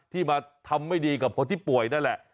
มาทำไม่ดีกับคนที่ป่วยนั่นแหละ